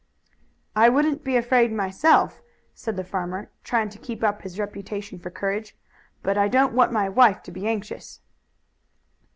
"I wouldn't be afraid myself," said the farmer, trying to keep up his reputation for courage, "but I don't want my wife to be anxious."